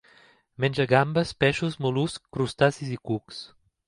Menja gambes, peixos, mol·luscs, crustacis i cucs.